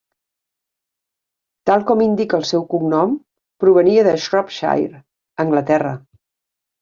Tal com indica el seu cognom, provenia de Shropshire, Anglaterra.